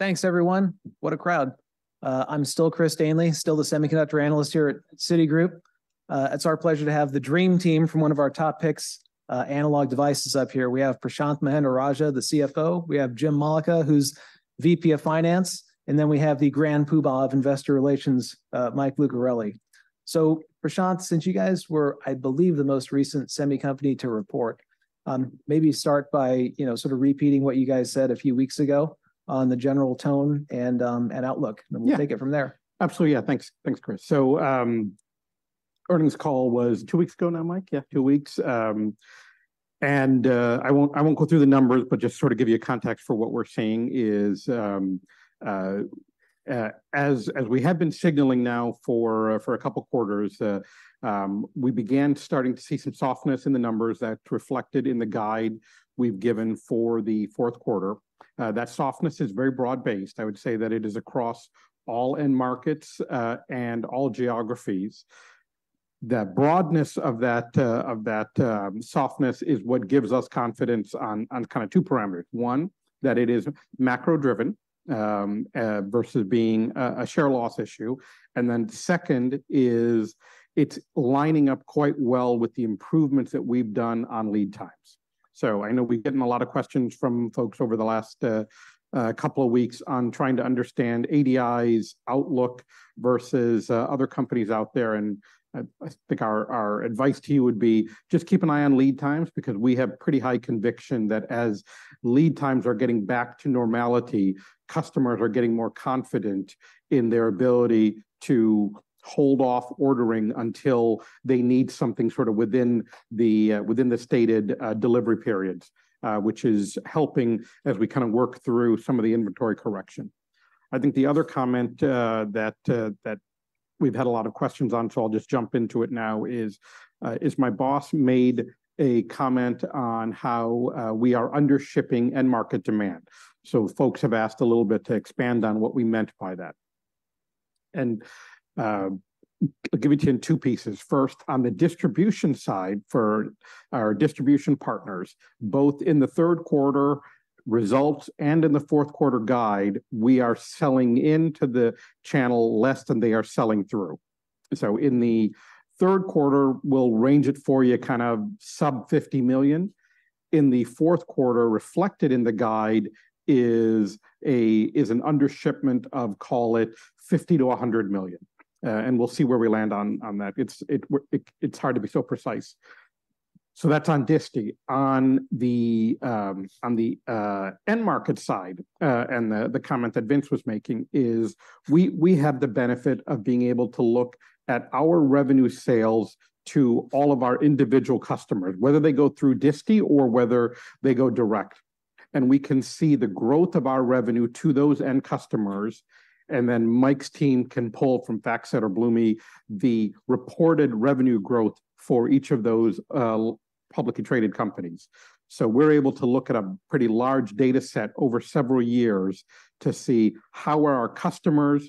Thanks everyone. What a crowd! I'm still Chris Danely, still the Semiconductor Analyst here at Citigroup. It's our pleasure to have the dream team from one of our top picks, Analog Devices up here. We have Prashanth Mahendra-Rajah, the CFO, we have Jim Mollica, who's VP of Finance, and then we have the Grand Poobah of Investor Relations, Mike Lucarelli. So, Prashanth, since you guys were, I believe, the most recent semi company to report, maybe start by, you know, sort of repeating what you guys said a few weeks ago on the general tone and, and outlook and we'll take it from there. Absolutely, yeah. Thanks, Chris. So, earnings call was two weeks ago now, Mike? Yeah, two weeks. And, I won't go through the numbers, but just sort of give you a context for what we're seeing is, as we have been signaling now for a couple quarters, we began starting to see some softness in the numbers that reflected in the guide we've given for the fourth quarter. That softness is very broad-based. I would say that it is across all end markets, and all geographies. The broadness of that of that softness is what gives us confidence on kind of two parameters. One, that it is macro-driven, versus being a share loss issue. And then second is, it's lining up quite well with the improvements that we've done on lead times. So I know we've gotten a lot of questions from folks over the last couple of weeks on trying to understand ADI's outlook versus other companies out there. And I think our advice to you would be, just keep an eye on lead times, because we have pretty high conviction that as lead times are getting back to normality, customers are getting more confident in their ability to hold off ordering until they need something sort of within the stated delivery periods, which is helping as we kind of work through some of the inventory correction. I think the other comment, that we've had a lot of questions on, so I'll just jump into it now, is my boss made a comment on how we are under shipping end market demand. So folks have asked a little bit to expand on what we meant by that. And I'll give it to you in two pieces. First, on the distribution side, for our distribution partners, both in the third quarter results and in the fourth quarter guide, we are selling into the channel less than they are selling through. So in the third quarter, we'll range it for you, kind of sub $50 million. In the fourth quarter, reflected in the guide, is an under shipment of, call it, $50 million-$100 million. And we'll see where we land on that. It's hard to be so precise. So that's on Disti. On the end market side, and the comment that Vince was making is, we have the benefit of being able to look at our revenue sales to all of our individual customers, whether they go through Disti or whether they go direct. And we can see the growth of our revenue to those end customers, and then Mike's team can pull from FactSet or Bloomie, the reported revenue growth for each of those publicly traded companies. So we're able to look at a pretty large data set over several years to see how are our customers'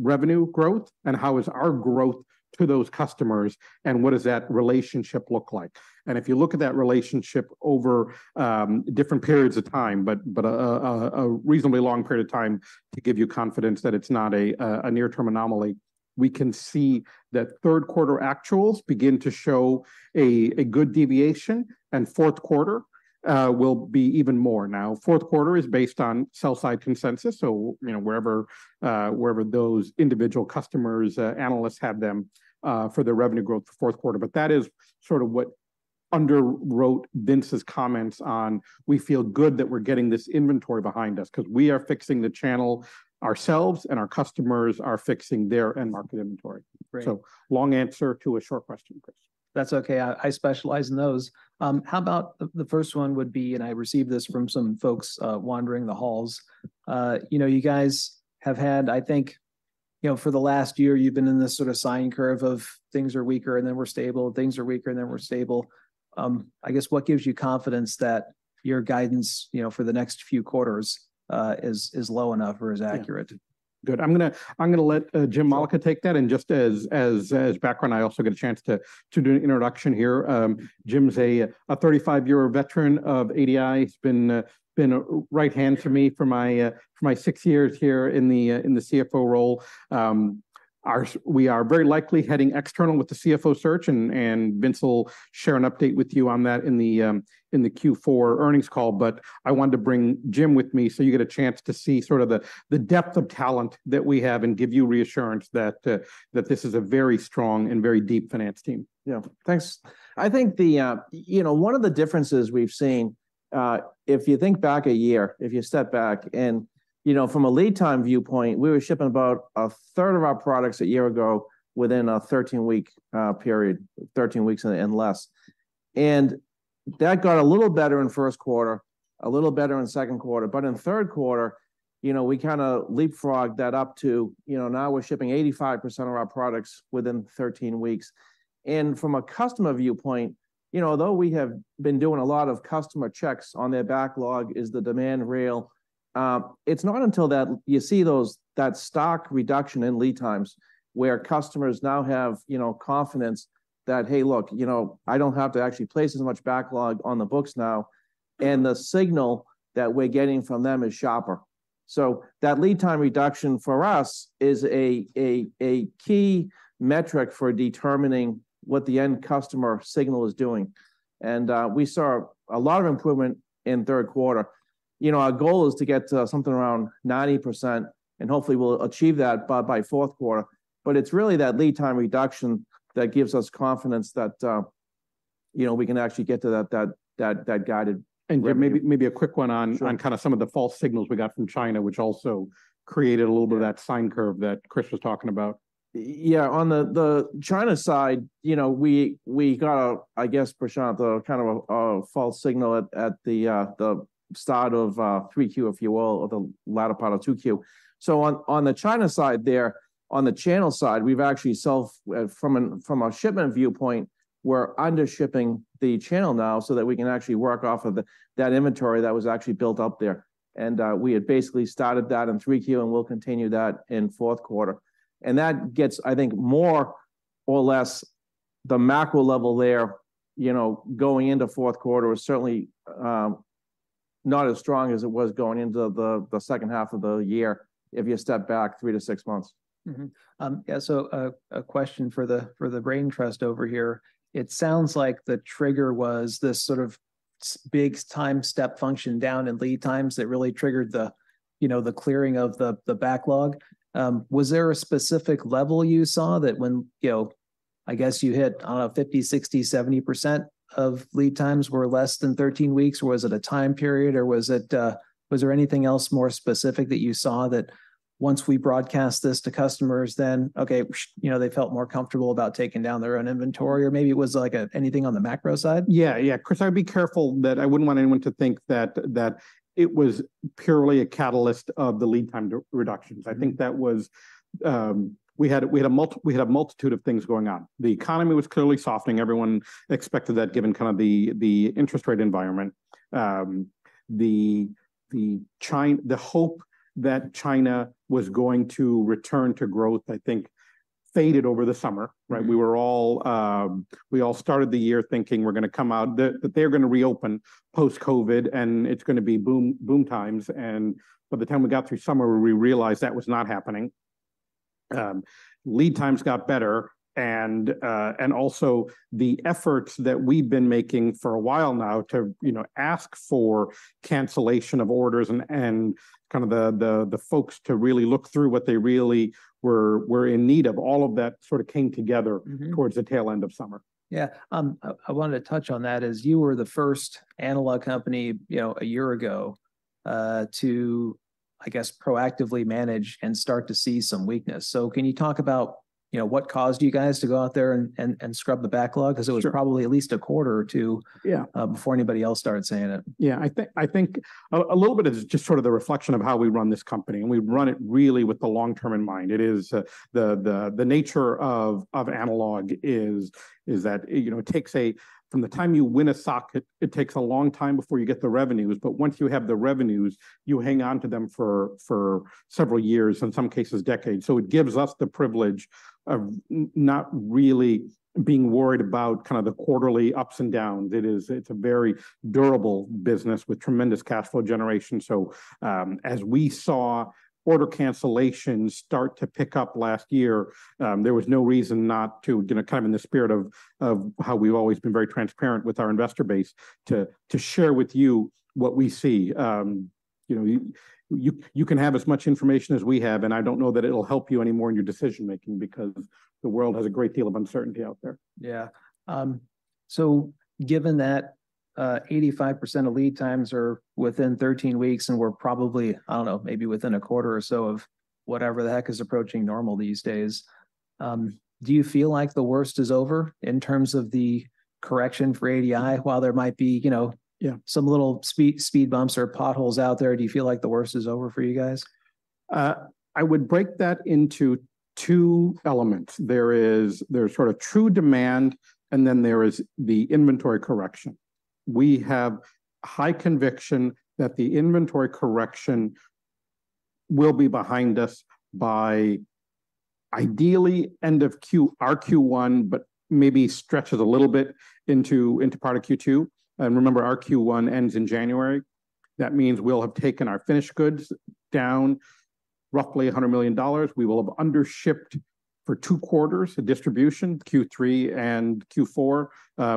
revenue growth, and how is our growth to those customers, and what does that relationship look like? And if you look at that relationship over different periods of time, but a reasonably long period of time, to give you confidence that it's not a near-term anomaly, we can see that third quarter actuals begin to show a good deviation, and fourth quarter will be even more. Now, fourth quarter is based on sell-side consensus, so, you know, wherever those individual customers, analysts have them, for their revenue growth for fourth quarter. But that is sort of what underwrote Vince's comments on, we feel good that we're getting this inventory behind us, 'cause we are fixing the channel ourselves, and our customers are fixing their end market inventory. Great. Long answer to a short question, Chris. That's okay. I specialize in those. How about the first one would be, and I received this from some folks wandering the halls. You know, you guys have had, I think, you know, for the last year, you've been in this sort of sine curve of things are weaker, and then we're stable, things are weaker, and then we're stable. I guess what gives you confidence that your guidance, you know, for the next few quarters, is low enough or is accurate? Good. I'm gonna let Jim Mollica take that, and just as background, I also get a chance to do an introduction here. Jim's a 35-year veteran of ADI. He's been right hand to me for my six years here in the CFO role. We are very likely heading external with the CFO search, and Vince will share an update with you on that in the Q4 earnings call. But I wanted to bring Jim with me so you get a chance to see sort of the depth of talent that we have, and give you reassurance that this is a very strong and very deep finance team. Yeah. Thanks. I think the. You know, one of the differences we've seen, if you think back a year, if you step back and, you know, from a lead time viewpoint, we were shipping about a third of our products a year ago within a 13-week period, 13 weeks and less. And that got a little better in first quarter, a little better in second quarter, but in third quarter, you know, we kinda leapfrogged that up to, you know, now we're shipping 85% of our products within 13 weeks. And from a customer viewpoint, you know, although we have been doing a lot of customer checks on their backlog, is the demand real? It's not until you see those stock reduction in lead times, where customers now have, you know, confidence that, hey, look, you know, I don't have to actually place as much backlog on the books now, and the signal that we're getting from them is sharper. So that lead time reduction for us is a key metric for determining what the end customer signal is doing. And we saw a lot of improvement in third quarter. You know, our goal is to get to something around 90%, and hopefully we'll achieve that by fourth quarter. But it's really that lead time reduction that gives us confidence that, you know, we can actually get to that guided. Maybe, maybe a quick one on kind of some of the false signals we got from China, which also created a little bit of that sine curve that Chris was talking about. Yeah, on the China side, you know, we got a, I guess, Prashanth, a kind of a false signal at the start of 3Q, if you will, or the latter part of 2Q. So on the China side there, on the channel side, we've actually sold from a shipment viewpoint, we're under shipping the channel now so that we can actually work off of the that inventory that was actually built up there. And we had basically started that in 3Q, and we'll continue that in fourth quarter. And that gets, I think, more or less the macro level there. You know, going into fourth quarter is certainly not as strong as it was going into the second half of the year, if you step back three to six months. Yeah, so, a question for the, for the brain trust over here. It sounds like the trigger was this sort of big time step function down in lead times that really triggered the, you know, the clearing of the, the backlog. Was there a specific level you saw that when, you know, I guess you hit, 50%, 60%, 70% of lead times were less than 13 weeks? Or was it a time period, or was it, was there anything else more specific that you saw that once we broadcast this to customers, then, okay, you know, they felt more comfortable about taking down their own inventory, or maybe it was like, anything on the macro side? Yeah, yeah. Chris, I'd be careful that I wouldn't want anyone to think that it was purely a catalyst of the lead time reductions. Mm-hmm. I think that was we had a multitude of things going on. The economy was clearly softening. Everyone expected that, given kind of the interest rate environment. The hope that China was going to return to growth, I think, faded over the summer, right? Mm-hmm. We were all, we all started the year thinking we're gonna come out that they're gonna reopen post-COVID, and it's gonna be boom, boom times. And by the time we got through summer, we realized that was not happening. Lead times got better, and also the efforts that we've been making for a while now to, you know, ask for cancellation of orders and kind of the folks to really look through what they really were in need of. All of that sort of came together. Towards the tail end of summer. Yeah. I wanted to touch on that, as you were the first analog company, you know, a year ago, to I guess proactively manage and start to see some weakness. So can you talk about, you know, what caused you guys to go out there and scrub the backlog? Sure. 'Cause it was probably at least a quarter or two before anybody else started saying it. Yeah, I think a little bit of it is just sort of the reflection of how we run this company, and we run it really with the long term in mind. It is the nature of analog that, you know, it takes from the time you win a socket, it takes a long time before you get the revenues, but once you have the revenues, you hang on to them for several years, in some cases, decades. So it gives us the privilege of not really being worried about kind of the quarterly ups and downs. It's a very durable business with tremendous cash flow generation. So, as we saw order cancellations start to pick up last year, there was no reason not to, you know, kind of in the spirit of how we've always been very transparent with our investor base, to share with you what we see. You know, you can have as much information as we have, and I don't know that it'll help you any more in your decision-making because the world has a great deal of uncertainty out there. Yeah. So given that, 85% of lead times are within 13 weeks, and we're probably, I don't know, maybe within a quarter or so of whatever the heck is approaching normal these days, do you feel like the worst is over in terms of the correction for ADI? While there might be, you know some little speed, speed bumps or potholes out there, do you feel like the worst is over for you guys? I would break that into two elements. There is, there's sort of true demand, and then there is the inventory correction. We have high conviction that the inventory correction will be behind us by ideally end of Q, our Q1, but maybe stretches a little bit into part of Q2. And remember, our Q1 ends in January. That means we'll have taken our finished goods down roughly $100 million. We will have under shipped for two quarters the distribution, Q3 and Q4.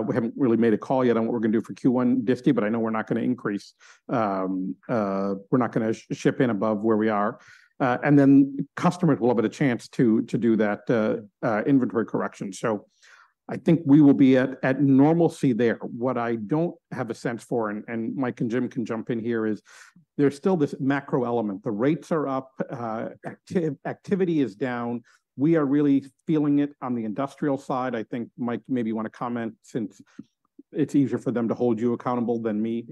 We haven't really made a call yet on what we're gonna do for Q1 FY, but I know we're not gonna increase. We're not gonna ship in above where we are. And then customers will have a chance to do that inventory correction. So I think we will be at normalcy there. What I don't have a sense for, and Mike and Jim can jump in here, is there's still this macro element. The rates are up, activity is down. We are really feeling it on the industrial side. I think, Mike, maybe you wanna comment since it's easier for them to hold you accountable than me,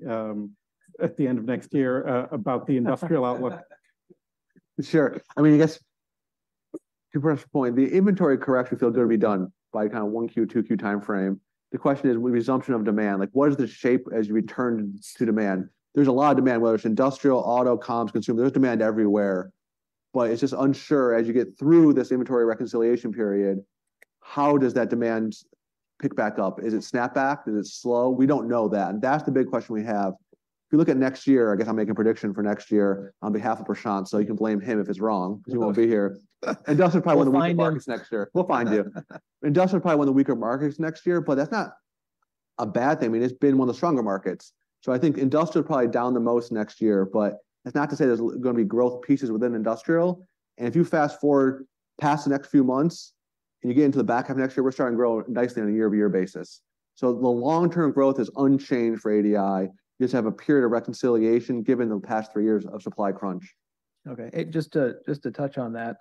at the end of next year, about the industrial outlook. Sure. I mean, I guess, to Prash's point, the inventory correction feels gonna be done by kind of 1Q, 2Q time frame. The question is with resumption of demand, like, what is the shape as you return to demand? There's a lot of demand, whether it's industrial, auto, comms, consumer, there's demand everywhere. But it's just unsure as you get through this inventory reconciliation period. How does that demand pick back up? Is it snapback? Is it slow? We don't know that, and that's the big question we have. If you look at next year, I guess I'm making a prediction for next year on behalf of Prashanth, so you can blame him if it's wrong? No 'Cause he won't be here. Industrial's probably one of the weaker markets next year. We'll find you. We'll find you. Industrial's probably one of the weaker markets next year, but that's not a bad thing. I mean, it's been one of the stronger markets. So I think industrial's probably down the most next year, but that's not to say there's gonna be growth pieces within industrial. And if you fast-forward past the next few months, and you get into the back half of next year, we're starting to grow nicely on a year-over-year basis. So the long-term growth is unchanged for ADI. You just have a period of reconciliation, given the past three years of supply crunch. Okay. Hey, just to touch on that,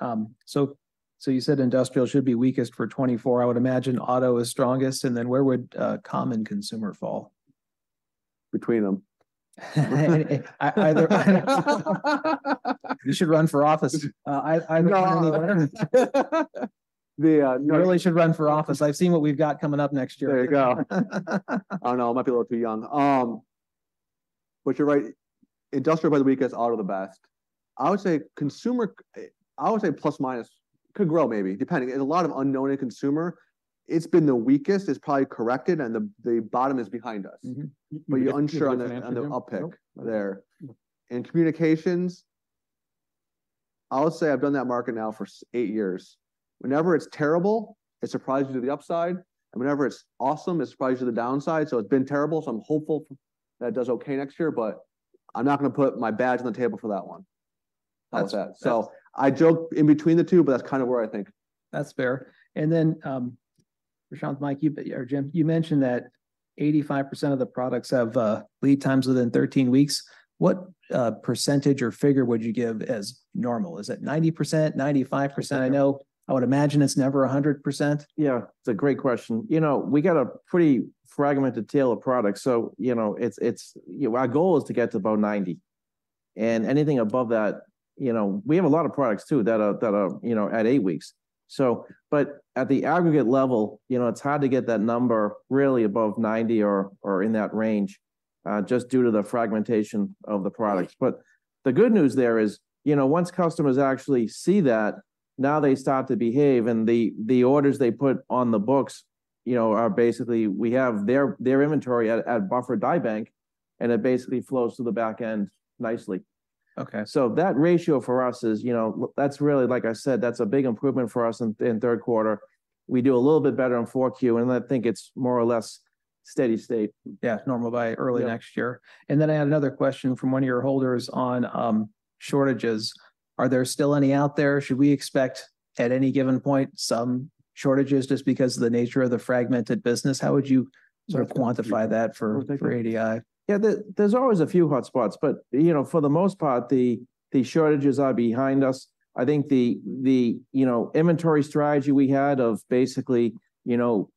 so you said industrial should be weakest for 2024. I would imagine auto is strongest, and then where would common consumer fall? Between them. Either. You should run for office. No. The, You really should run for office. I've seen what we've got coming up next year. There you go. I don't know, I might be a little too young. But you're right, industrial by the weakest, auto the best. I would say consumer, I would say plus/minus, could grow maybe, depending. There's a lot of unknown in consumer. It's been the weakest, it's probably corrected, and the bottom is behind us. Mm-hmm. But you're unsure on the uptick there. Nope In communications, I would say I've done that market now for eight years. Whenever it's terrible, it surprises you to the upside, and whenever it's awesome, it surprises you to the downside. So it's been terrible, so I'm hopeful that it does okay next year, but I'm not gonna put my badge on the table for that one. Gotcha. So I joked in between the two, but that's kind of where I think. That's fair. And then, Prashanth, Mike, you, or Jim, you mentioned that 85% of the products have lead times within 13 weeks. What percentage or figure would you give as normal? Is it 90%, 95%? Yeah. I know, I would imagine it's never 100%. Yeah, it's a great question. You know, we got a pretty fragmented tail of products, so, you know, it's you know, our goal is to get to about 90, and anything above that. You know, we have a lot of products, too, that are you know, at eight weeks. So, but at the aggregate level, you know, it's hard to get that number really above 90 or in that range, just due to the fragmentation of the products. But the good news there is, you know, once customers actually see that, now they start to behave, and the orders they put on the books, you know, are basically, we have their inventory at buffer die bank, and it basically flows to the back end nicely. Okay. So that ratio for us is, you know, that's really, like I said, that's a big improvement for us in third quarter. We do a little bit better in 4Q, and I think it's more or less steady state. Yeah, normal by early next year. Yeah. I had another question from one of your holders on shortages. Are there still any out there? Should we expect, at any given point, some shortages just because of the nature of the fragmented business? How would you sort of quantify that for ADI? Yeah, there's always a few hotspots, but, you know, for the most part, the shortages are behind us. I think the you know, inventory strategy we had of basically, you know,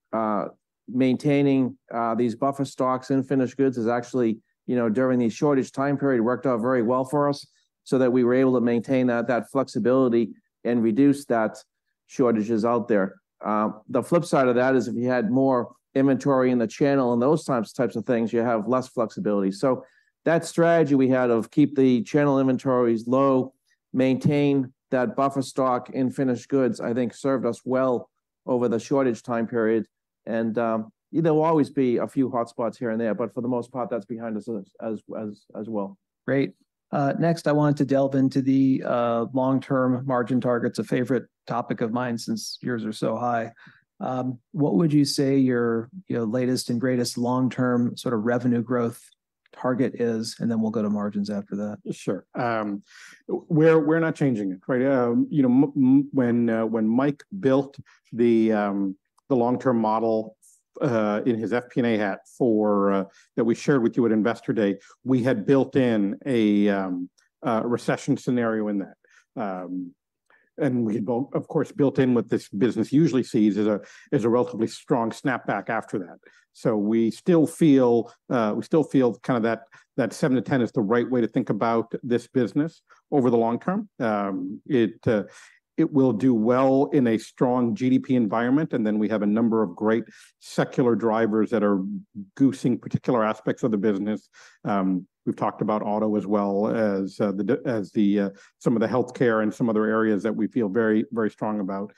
maintaining these buffer stocks in finished goods is actually, you know, during the shortage time period, worked out very well for us, so that we were able to maintain that flexibility and reduce that shortages out there. The flip side of that is, if you had more inventory in the channel and those types of things, you have less flexibility. So that strategy we had of keep the channel inventories low, maintain that buffer stock in finished goods, I think served us well over the shortage time period. There will always be a few hotspots here and there, but for the most part, that's behind us as well. Great. Next, I wanted to delve into the long-term margin targets, a favorite topic of mine since yours are so high. What would you say your, you know, latest and greatest long-term sort of revenue growth target is? And then we'll go to margins after that. Sure. We're not changing it, right? You know, when Mike built the long-term model in his FP&A hat for that we shared with you at Investor Day, we had built in a recession scenario in that. And we'd of course built in what this business usually sees is a relatively strong snapback after that. So we still feel kind of that seven to 10 is the right way to think about this business over the long term. It will do well in a strong GDP environment, and then we have a number of great secular drivers that are goosing particular aspects of the business. We've talked about auto as well as some of the healthcare and some other areas that we feel very, very strong about.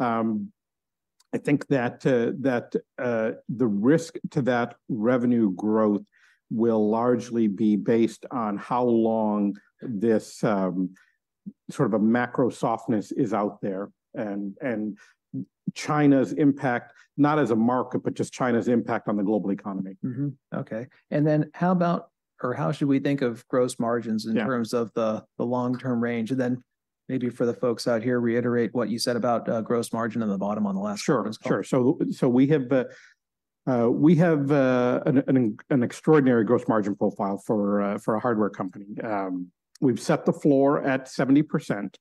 I think that the risk to that revenue growth will largely be based on how long this sort of a macro softness is out there, and China's impact, not as a market, but just China's impact on the global economy. Okay. And then how about, or how should we think of gross margins? Yeah In terms of the long-term range? And then maybe for the folks out here, reiterate what you said about gross margin on the bottom on the last earnings call. Sure, sure. So we have an extraordinary gross margin profile for a hardware company. We've set the floor at 70%.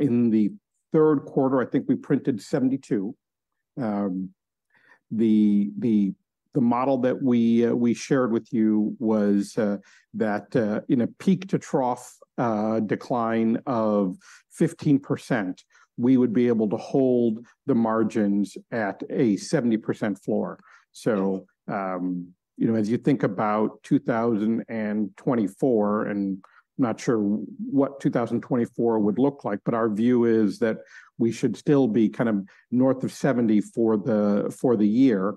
In the third quarter, I think we printed 72%. The model that we shared with you was that in a peak-to-trough decline of 15%, we would be able to hold the margins at a 70% floor. So, you know, as you think about 2024, and not sure what 2024 would look like, but our view is that we should still be kind of north of 70% for the year.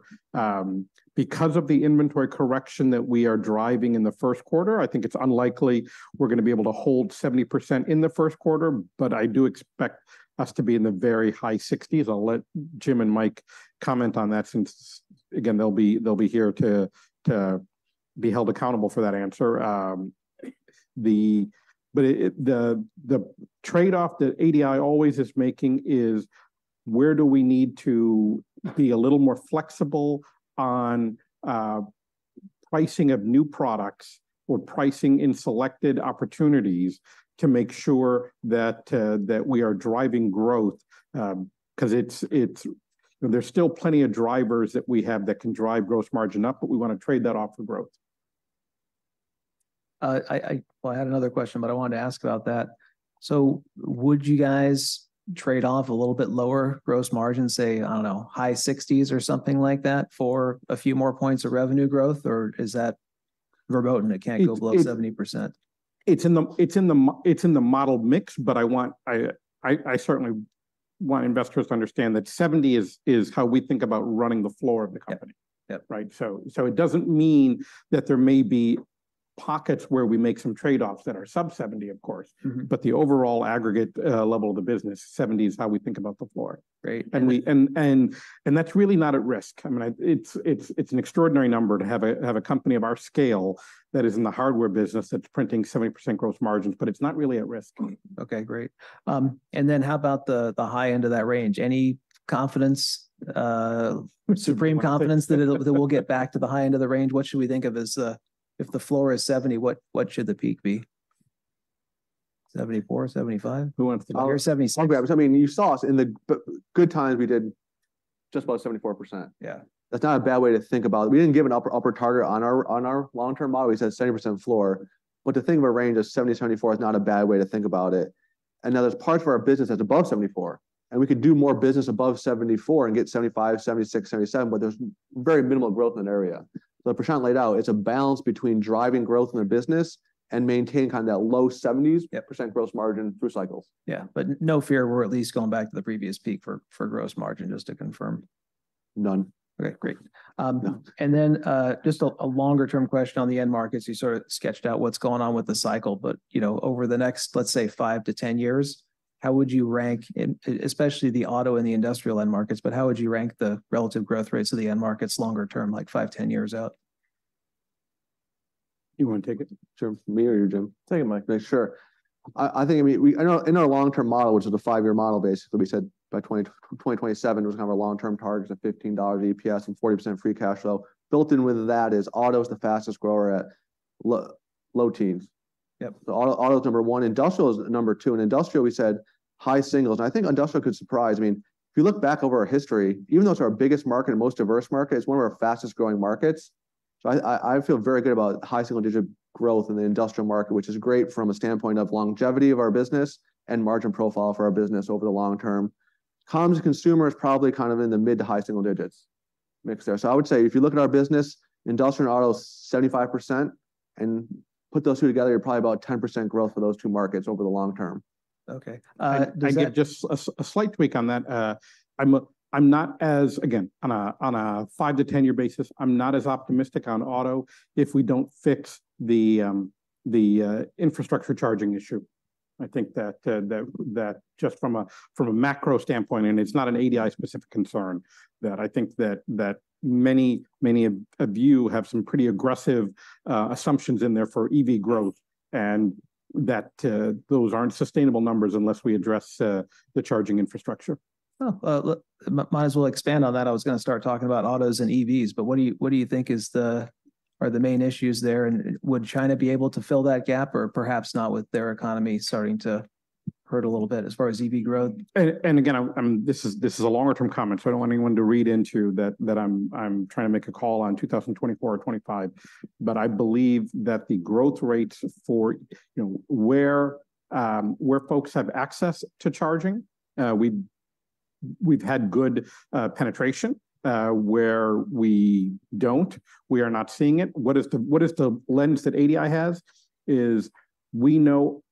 Because of the inventory correction that we are driving in the first quarter, I think it's unlikely we're gonna be able to hold 70% in the first quarter, but I do expect us to be in the very high 60s. I'll let Jim and Mike comment on that, since again, they'll be here to be held accountable for that answer. The trade-off that ADI always is making is, where do we need to be a little more flexible on pricing of new products or pricing in selected opportunities to make sure that we are driving growth? 'Cause it's, there's still plenty of drivers that we have that can drive gross margin up, but we wanna trade that off for growth. Well, I had another question, but I wanted to ask about that. So would you guys trade off a little bit lower gross margin, say, I don't know, high 60s% or something like that, for a few more points of revenue growth, or is that verboten and can't go below 70%? It's in the model mix, but I certainly want investors to understand that 70 is how we think about running the floor of the company. Yep. Yep. Right? So, so it doesn't mean that there may be pockets where we make some trade-offs that are sub 70, of course. The overall aggregate level of the business, 70 is how we think about the floor. Great. And that's really not at risk. I mean, it's an extraordinary number to have a company of our scale that is in the hardware business, that's printing 70% gross margins, but it's not really at risk. Okay, great. And then how about the high end of that range? Any confidence, supreme confidence that it'll, that we'll get back to the high end of the range? What should we think of as, if the floor is 70, what should the peak be? 74, 75, or 76? I'll grab. I mean, you saw us in the good times, we did just about 74%. Yeah. That's not a bad way to think about it. We didn't give an upper, upper target on our, on our long-term model. We said 70% floor. But to think of a range of 70-74 is not a bad way to think about it. And now there's parts of our business that's above 74, and we could do more business above 74 and get 75, 76, 77, but there's very minimal growth in that area. So Prashanth laid out, it's a balance between driving growth in the business and maintaining kind of that low 70s% gross margin through cycles. Yeah. But no fear, we're at least going back to the previous peak for gross margin, just to confirm? None. Okay, great. None. Then, just a longer-term question on the end markets. You sort of sketched out what's going on with the cycle but, you know, over the next, let's say, five to 10 years, how would you rank, especially the auto and the industrial end markets, but how would you rank the relative growth rates of the end markets longer term, like five, 10 years out? You want to take it? Sure. Me or you, Jim? Take it, Mike. Sure. I think, I mean, I know in our long-term model, which is a five-year model, basically, we said by 2027, was kind of our long-term target is a $15 EPS and 40% free cash flow. Built in with that is auto is the fastest grower at low teens. Yep. So auto, auto is number one, industrial is number two. And industrial, we said high singles, and I think industrial could surprise. I mean, if you look back over our history, even though it's our biggest market and most diverse market, it's one of our fastest-growing markets. So I feel very good about high single-digit growth in the industrial market, which is great from a standpoint of longevity of our business and margin profile for our business over the long term. Coms consumer is probably kind of in the mid- to high-single digits, mix there. So I would say, if you look at our business, industrial and auto is 75%, and put those two together, you're probably about 10% growth for those two markets over the long term. Okay, does that? Just a slight tweak on that. I'm not as, again, on a five to 10-year basis, I'm not as optimistic on auto if we don't fix the infrastructure charging issue. I think that just from a macro standpoint, and it's not an ADI-specific concern, that I think many of you have some pretty aggressive assumptions in there for EV growth, and that those aren't sustainable numbers unless we address the charging infrastructure. Might as well expand on that. I was gonna start talking about autos and EVs, but what do you think are the main issues there, and would China be able to fill that gap, or perhaps not with their economy starting to hurt a little bit as far as EV growth? Again, this is a longer-term comment, so I don't want anyone to read into that that I'm trying to make a call on 2024 or 2025. But I believe that the growth rates for, you know, where folks have access to charging, we've had good penetration. Where we don't, we are not seeing it. What is the lens that ADI has? We know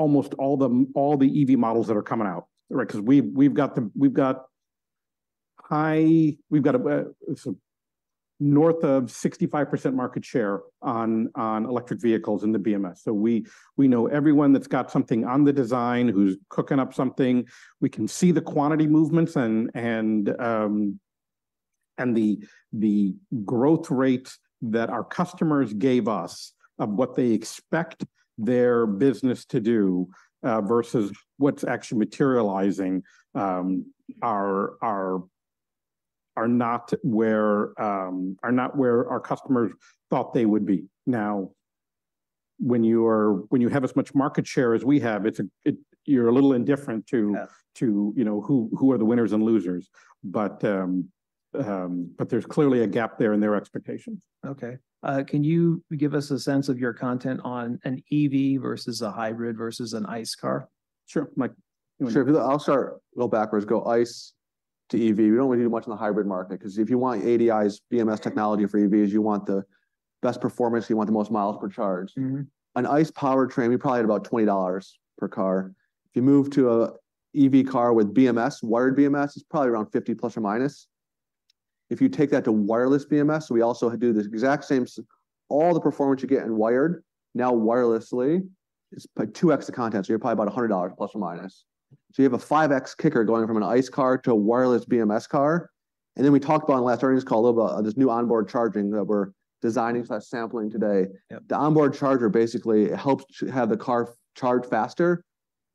almost all the EV models that are coming out, right? 'Cause we've got north of 65% market share on electric vehicles in the BMS. So we know everyone that's got something on the design, who's cooking up something. We can see the quantity movements and the growth rates that our customers gave us of what they expect their business to do versus what's actually materializing are not where our customers thought they would be. Now, when you have as much market share as we have, it's, you're a little indifferent to, you know, who, who are the winners and losers. But, but there's clearly a gap there in their expectations. Okay. Can you give us a sense of your content on an EV versus a hybrid versus an ICE car? Sure, Mike. You want- Sure. I'll start, go backwards, go ICE to EV. We don't really do much in the hybrid market, 'cause if you want ADI's BMS technology for EVs, you want the best performance, you want the most miles per charge. An ICE powertrain, we probably at about $20 per car. If you move to an EV car with BMS, wired BMS, it's probably around $50 plus or minus. If you take that to wireless BMS, we also do the exact same all the performance you get in wired, now wirelessly, is by 2X the content, so you're probably about $100 plus or minus. So you have a 5X kicker going from an ICE car to a wireless BMS car. And then we talked about on last earnings call a little about this new onboard charging that we're designing slash sampling today. Yep. The onboard charger basically helps to have the car charge faster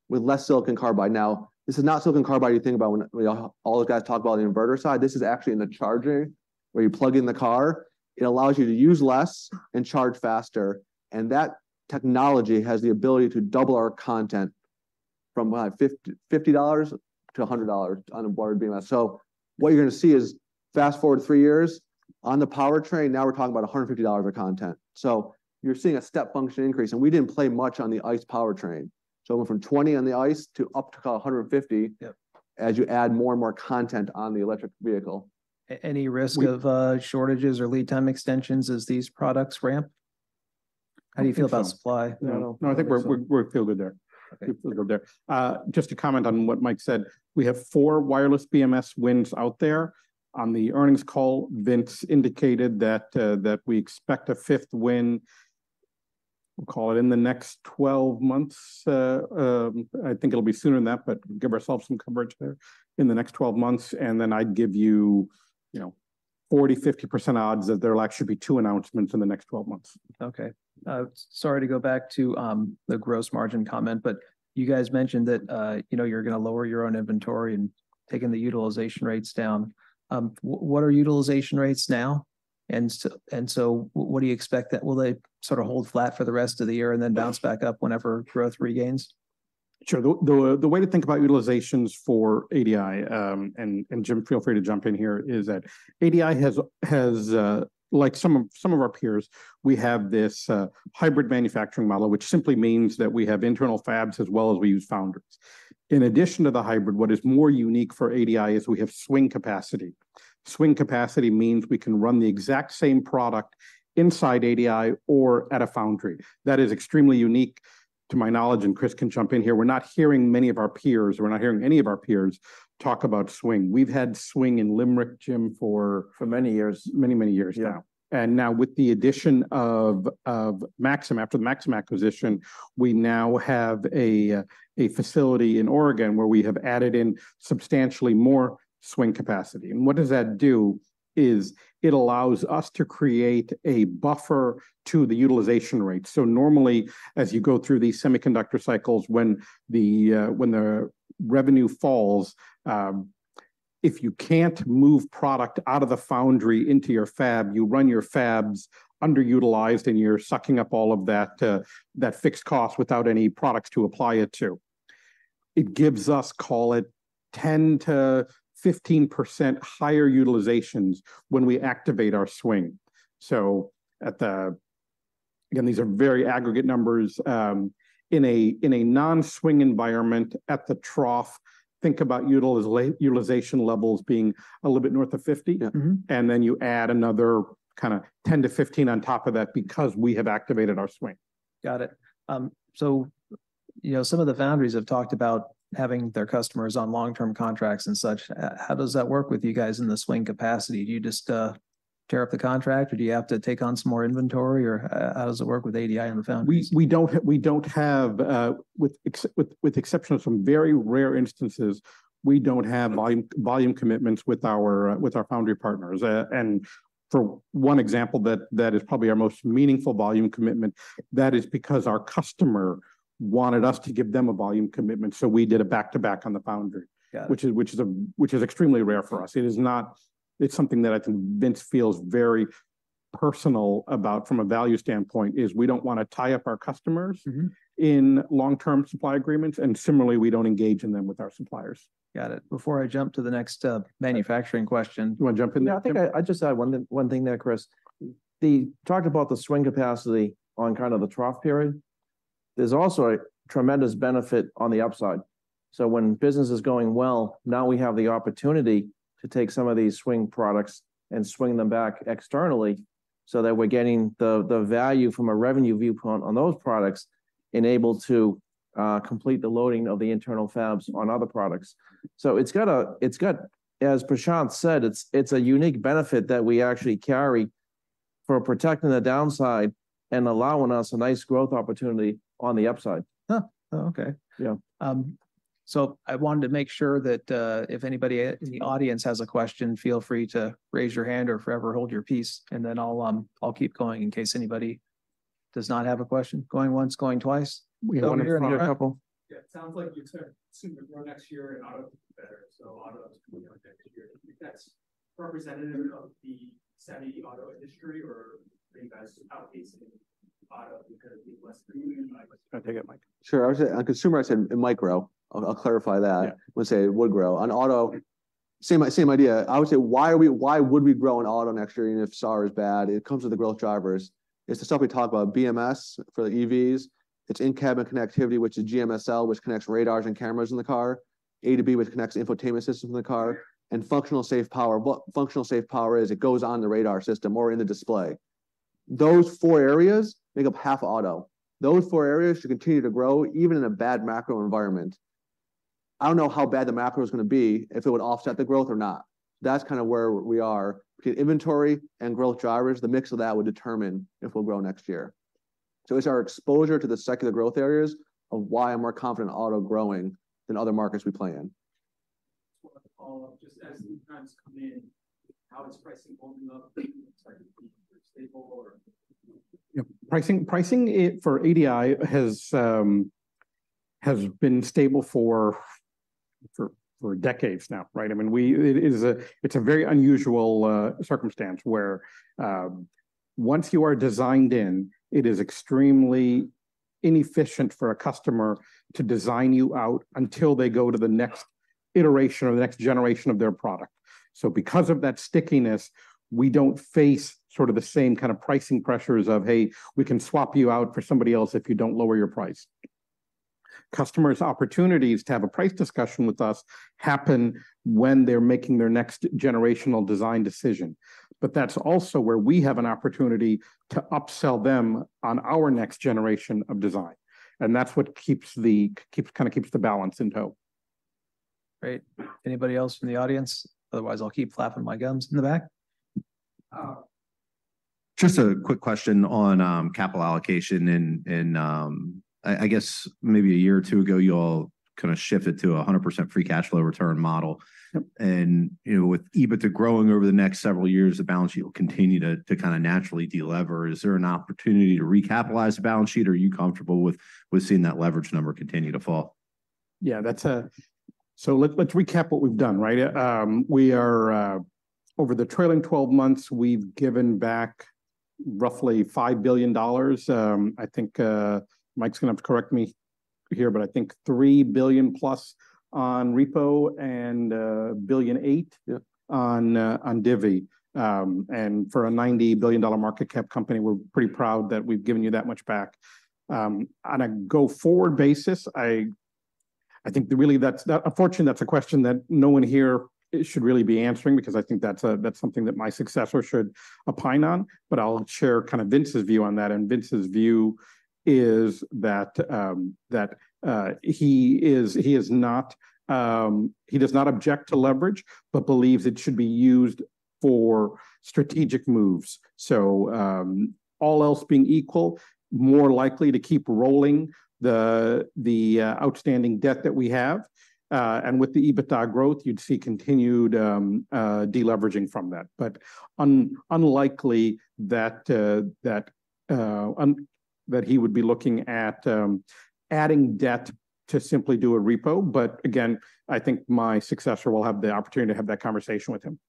with less silicon carbide. Now, this is not silicon carbide you think about when all those guys talk about the inverter side. This is actually in the charger, where you plug in the car. It allows you to use less and charge faster, and that technology has the ability to double our content from, what, $50 to $100 on a wired BMS. So what you're gonna see is, fast-forward 3 years, on the powertrain, now we're talking about $150 of content. So you're seeing a step function increase, and we didn't play much on the ICE powertrain. So it went from $20 on the ICE to up to about $150 as you add more and more content on the electric vehicle. Any risk of shortages or lead time extensions as these products ramp? I think so. How do you feel about supply? No, no, I think we feel good there. Okay. We feel good there. Just to comment on what Mike said, we have four wireless BMS wins out there. On the earnings call, Vince indicated that we expect a fifth win, we'll call it in the next 12 months. I think it'll be sooner than that, but give ourselves some coverage there, in the next 12 months, and then I'd give you, you know, 40%-50% odds that there'll actually be two announcements in the next 12 months. Okay. Sorry to go back to the gross margin comment, but you guys mentioned that, you know, you're gonna lower your own inventory and taking the utilization rates down. What are utilization rates now? And so, what do you expect that... Will they sort of hold flat for the rest of the year and then bounce back up whenever growth regains? Sure. The way to think about utilizations for ADI, and Jim, feel free to jump in here, is that ADI has, like some of our peers, we have this hybrid manufacturing model, which simply means that we have internal fabs as well as we use foundries. In addition to the hybrid, what is more unique for ADI is we have swing capacity. Swing capacity means we can run the exact same product inside ADI or at a foundry. That is extremely unique to my knowledge, and Chris can jump in here. We're not hearing many of our peers, we're not hearing any of our peers talk about swing. We've had swing in Limerick, Jim, for- For many years. Many, many years, yeah. Yeah. And now with the addition of Maxim, after the Maxim acquisition, we now have a facility in Oregon where we have added in substantially more swing capacity. And what does that do, it allows us to create a buffer to the utilization rate. So normally, as you go through these semiconductor cycles, when the revenue falls, if you can't move product out of the foundry into your fab, you run your fabs underutilized and you're sucking up all of that fixed cost without any products to apply it to. It gives us, call it, 10%-15% higher utilizations when we activate our swing. So at the... Again, these are very aggregate numbers. In a non-swing environment at the trough, think about utilization levels being a little bit north of 50. And then you add another kinda 10-15 on top of that, because we have activated our swing. Got it. So, you know, some of the foundries have talked about having their customers on long-term contracts and such. How does that work with you guys in the swing capacity? Do you just tear up the contract, or do you have to take on some more inventory, or how does it work with ADI and the foundries? We don't have, with exceptions from very rare instances, volume commitments with our foundry partners. For one example that is probably our most meaningful volume commitment, that is because our customer wanted us to give them a volume commitment, so we did a back-to-back on the foundry which is extremely rare for us. It is not. It's something that I think Vince feels very personal about from a value standpoint, is we don't wanna tie up our customers in long-term supply agreements, and similarly, we don't engage in them with our suppliers. Got it. Before I jump to the next, manufacturing question? You wanna jump in there, Jim? Yeah, I think I'd just add one thing there, Chris. We talked about the swing capacity on kind of the trough period. There's also a tremendous benefit on the upside. So when business is going well, now we have the opportunity to take some of these swing products and swing them back externally, so that we're getting the value from a revenue viewpoint on those products, enabled to complete the loading of the internal fabs on other products. So it's got, as Prashanth said, it's a unique benefit that we actually carry for protecting the downside and allowing us a nice growth opportunity on the upside. Oh, okay. Yeah. So I wanted to make sure that, if anybody in the audience has a question, feel free to raise your hand or forever hold your peace, and then I'll keep going in case anybody does not have a question. Going once, going twice. We have a couple. Yeah, it sounds like you expect things to grow next year and auto better, so autos coming out next year. That's representative of the semi auto industry, or are you guys outpacing auto because of the Maxim Union? You want to take it, Mike? Sure, I would say, on consumer, I'd say it might grow. I'll clarify that. Yeah. I would say it would grow. On auto, same idea. I would say, why would we grow in auto next year, even if SAR is bad? It comes with the growth drivers. It's the stuff we talk about, BMS for the EVs. It's in-cabin connectivity, which is GMSL, which connects radars and cameras in the car. A2B, which connects the infotainment system in the car, and functionally safe power. What functionally safe power is, it goes on the radar system or in the display. Those four areas make up half auto. Those four areas should continue to grow, even in a bad macro environment. I don't know how bad the macro is going to be, if it would offset the growth or not. That's kind of where we are. Between inventory and growth drivers, the mix of that would determine if we'll grow next year. It's our exposure to the secular growth areas of why I'm more confident in auto growing than other markets we play in. Just want to follow up, just as lead times come in, how is pricing holding up? Starting to be stable or? Yeah, pricing for ADI has been stable for decades now, right? I mean, it is a very unusual circumstance, where once you are designed in, it is extremely inefficient for a customer to design you out until they go to the next iteration or the next generation of their product. So because of that stickiness, we don't face sort of the same kind of pricing pressures of, "Hey, we can swap you out for somebody else if you don't lower your price." Customers' opportunities to have a price discussion with us happen when they're making their next generational design decision, but that's also where we have an opportunity to upsell them on our next generation of design. And that's what keeps, kind of keeps the balance in tow. Great. Anybody else from the audience? Otherwise, I'll keep flapping my gums. In the back? Just a quick question on capital allocation and, I guess maybe a year or two ago, you all kind of shifted to 100% free cash flow return model. Yep. You know, with EBITDA growing over the next several years, the balance sheet will continue to kind of naturally de-lever. Is there an opportunity to recapitalize the balance sheet, or are you comfortable with seeing that leverage number continue to fall? Yeah, that's. So let's recap what we've done, right? We are over the trailing twelve months; we've given back roughly $5 billion. I think Mike's going to have to correct me here, but I think $3 billion plus on repo and billion eight on, on divvy. And for a $90 billion market cap company, we're pretty proud that we've given you that much back. On a go-forward basis, I think that really that's unfortunately, that's a question that no one here should really be answering, because I think that's, that's something that my successor should opine on. But I'll share kind of Vince's view on that, and Vince's view is that that he does not object to leverage, but believes it should be used for strategic moves. All else being equal, more likely to keep rolling the outstanding debt that we have. And with the EBITDA growth, you'd see continued de-leveraging from that. But unlikely that he would be looking at adding debt to simply do a repo. But again, I think my successor will have the opportunity to have that conversation with him.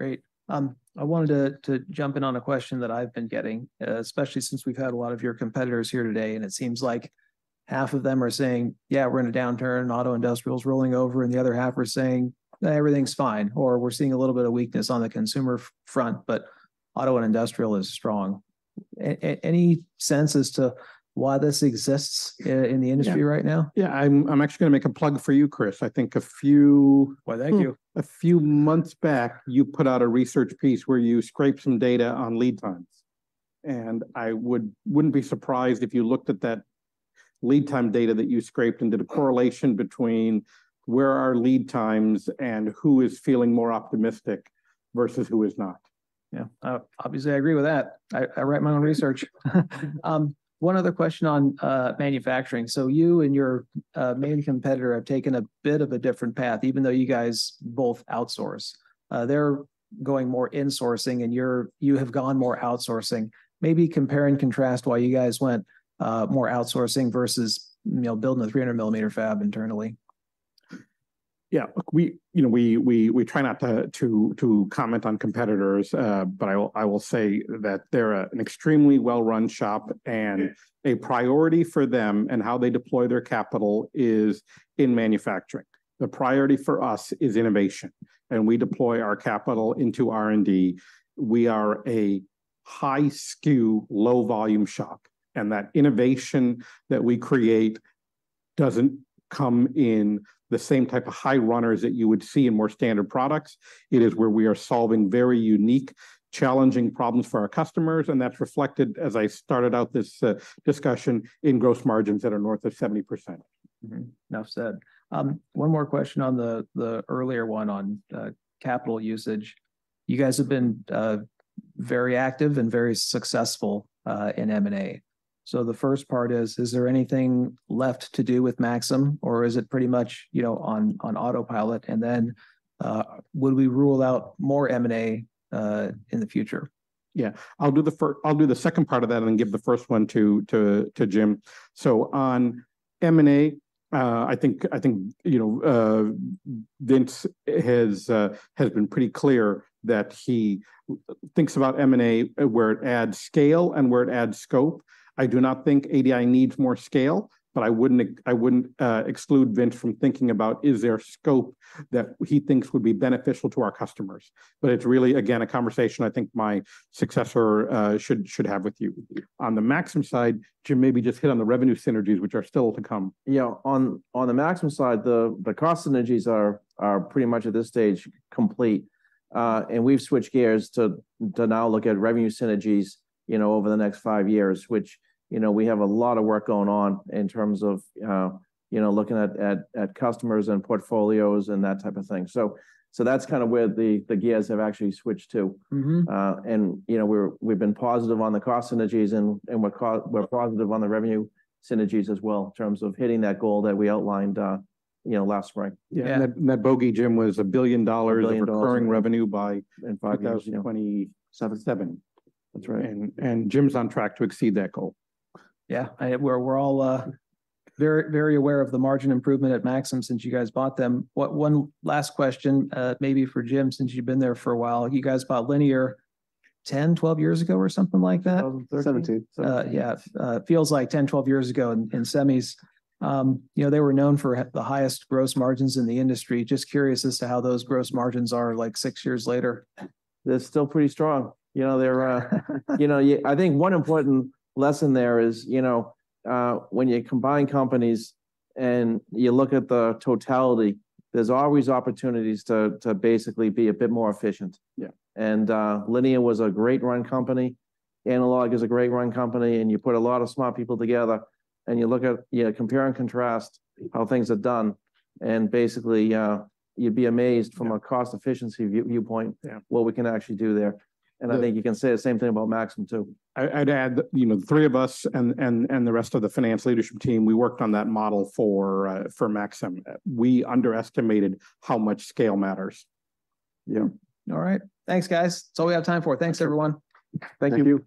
Great. I wanted to jump in on a question that I've been getting, especially since we've had a lot of your competitors here today, and it seems like half of them are saying, "Yeah, we're in a downturn, auto industrial is rolling over," and the other half are saying, "Everything's fine," or, "We're seeing a little bit of weakness on the consumer front, but auto and industrial is strong." Any sense as to why this exists in the industry right now? Yeah. Yeah, I'm, I'm actually going to make a plug for you, Chris. I think a few. Why, thank you. A few months back, you put out a research piece where you scraped some data on lead times. I wouldn't be surprised if you looked at that lead time data that you scraped and did a correlation between where are our lead times and who is feeling more optimistic versus who is not. Yeah. Obviously, I agree with that. I write my own research. One other question on manufacturing. So you and your main competitor have taken a bit of a different path, even though you guys both outsource. They're going more insourcing, and you have gone more outsourcing. Maybe compare and contrast why you guys went more outsourcing versus, you know, building a 300-millimeter fab internally. Yeah. We, you know, we try not to comment on competitors, but I will say that they're an extremely well-run shop, and a priority for them and how they deploy their capital is in manufacturing. The priority for us is innovation, and we deploy our capital into R&D. We are a high SKU, low volume shop, and that innovation that we create doesn't come in the same type of high runners that you would see in more standard products. It is where we are solving very unique, challenging problems for our customers, and that's reflected, as I started out this discussion, in gross margins that are north of 70%. Mm-hmm. Enough said. One more question on the earlier one on capital usage. You guys have been very active and very successful in M&A. So the first part is, is there anything left to do with Maxim, or is it pretty much, you know, on autopilot? And then, would we rule out more M&A in the future? Yeah, I'll do the second part of that and then give the first one to Jim. So on M&A, I think you know Vince has been pretty clear that he thinks about M&A where it adds scale and where it adds scope. I do not think ADI needs more scale, but I wouldn't exclude Vince from thinking about is there scope that he thinks would be beneficial to our customers. But it's really, again, a conversation I think my successor should have with you. On the Maxim side, Jim, maybe just hit on the revenue synergies, which are still to come. Yeah. On the Maxim side, the cost synergies are pretty much at this stage complete. And we've switched gears to now look at revenue synergies, you know, over the next five years, which, you know, we have a lot of work going on in terms of, you know, looking at customers and portfolios and that type of thing. So that's kind of where the gears have actually switched to. You know, we've been positive on the cost synergies and we're positive on the revenue synergies as well, in terms of hitting that goal that we outlined, you know, last spring. Yeah. And that bogey, Jim, was $1 billion of recurring revenue in five years 2020 Seven. Seven. That's right. And Jim's on track to exceed that goal. Yeah, we're all very, very aware of the margin improvement at Maxim since you guys bought them. One last question, maybe for Jim, since you've been there for a while. You guys bought Linear 10, 12 years ago, or something like that? Seven or two. Yeah. It feels like 10, 12 years ago in, in semis. You know, they were known for the highest gross margins in the industry. Just curious as to how those gross margins are, like, six years later? They're still pretty strong. You know, they're, you know, yeah, I think one important lesson there is, you know, when you combine companies and you look at the totality, there's always opportunities to basically be a bit more efficient. Yeah. Linear was a great run company. Analog is a great run company, and you put a lot of smart people together, and you look at, you know, compare and contrast how things are done, and basically, you'd be amazed from a cost efficiency viewpoint what we can actually do there. Good. I think you can say the same thing about Maxim, too. I'd add, you know, the three of us and the rest of the finance leadership team, we worked on that model for Maxim. We underestimated how much scale matters. Yeah. All right. Thanks, guys. That's all we have time for. Thanks, everyone. Thank you.